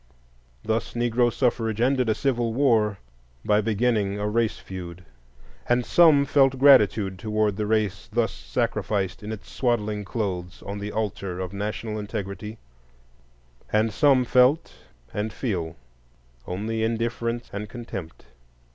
Thus Negro suffrage ended a civil war by beginning a race feud. And some felt gratitude toward the race thus sacrificed in its swaddling clothes on the altar of national integrity; and some felt and feel only indifference and contempt.